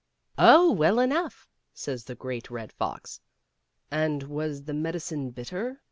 " Oh, well enough,'* says the Great Red Fox. "And was the medicine bitter?"